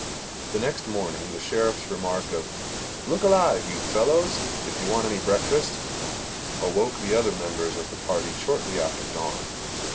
The next morning the Sheriff's remark of "Look alive, you fellows, if you want any breakfast," awoke the other members of the party shortly after dawn.